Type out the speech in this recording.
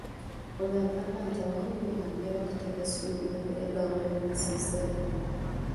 Ono agamba nti amawulire gano yabadde tagasuubira era gaamwewuunyisizza nnyo.